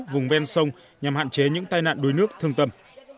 vùng ven sông nhằm hạn chế những tai nạn đuối nước thương tâm